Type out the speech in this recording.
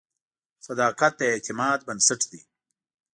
صداقت د اعتماد بنسټ دی.